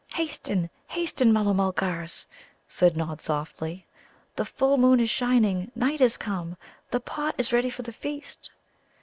"Hasten, hasten, Mulla mulgars!" said Nod softly. "The full moon is shining; night is come. The pot is ready for the feast."